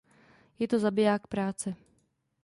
Je to zabiják práce.